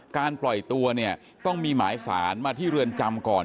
การปล่อยตัวเนี่ยต้องมีหมายสารมาที่เรือนจำก่อน